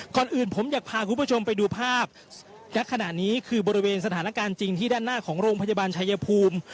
ก่อนอื่นผมอยากพาคุณผู้ชมไปดูภาพณขณะนี้คือบริเวณสถานการณ์จริงที่ด้านหน้าของโรงพยาบาลชายภูมิ